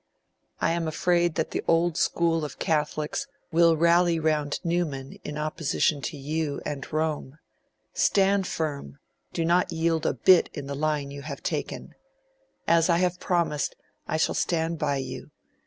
'I am afraid that the old school of Catholics will rally round Newman in opposition to you and Rome. Stand firm, do not yield a bit in the line you have taken. As I have promised, I shall stand by you.